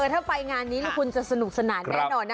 ถ้าไปงานนี้แล้วคุณจะสนุกสนานแน่นอนนะ